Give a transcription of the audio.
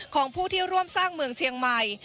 ของผู้ที่ร่วมสร้างเมืองเชียงใหม่